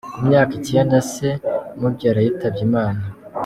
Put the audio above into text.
Ku myaka icyenda se umubyara yitabye Imana.